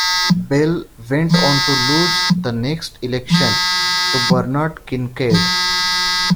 Bell went on to lose the next election to Bernard Kincaid.